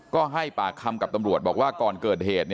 ก็ให้ปากคำกับตำรวจบอกว่าก่อนเกิดเหตุ